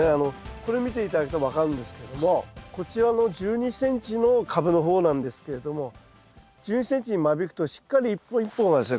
これを見て頂くと分かるんですけどもこちらの１２ｃｍのカブの方なんですけれども１２ｃｍに間引くとしっかり一本一本がですね